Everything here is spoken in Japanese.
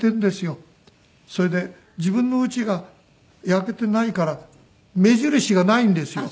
それで自分の家が焼けてないから目印がないんですよ。